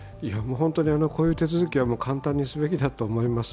こういう手続きは簡単にすべきだと思います。